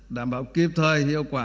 đảm bảo kịp thời hiệu quả